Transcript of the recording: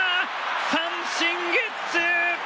三振、ゲッツー！